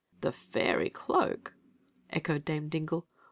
" The fairy cloak !" echoed Dame Dingle.